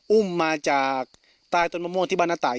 อุ้มมาจากตายต้นมะโมงที่บ้านอาต่าย